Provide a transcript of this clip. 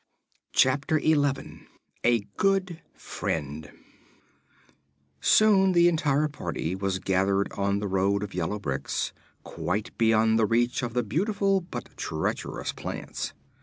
Chapter Eleven A Good Friend Soon the entire party was gathered on the road of yellow bricks, quite beyond the reach of the beautiful but treacherous plants.